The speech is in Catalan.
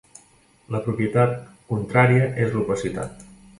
La propietat contrària és l'opacitat.